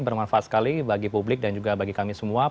bermanfaat sekali bagi publik dan juga bagi kami semua